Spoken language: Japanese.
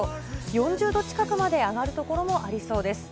４０度近くまで上がる所もありそうです。